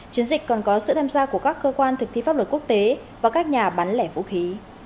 chiến dịch còn có sự tham gia của các cơ quan thực thi pháp luật quốc tế và các nhà bán lẻ vũ khí